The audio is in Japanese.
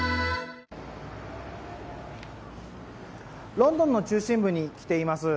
ロンドンの中心部に来ています。